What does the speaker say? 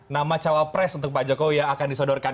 nama cawapres untuk pak jokowi yang akan disodorkan